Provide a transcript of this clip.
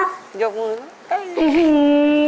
ยกมือ